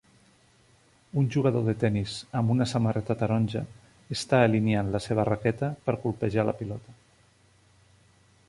Un jugador de tenis amb una samarreta taronja està alineant la seva raqueta per colpejar la pilota